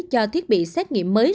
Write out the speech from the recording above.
cho thiết bị xét nghiệm mới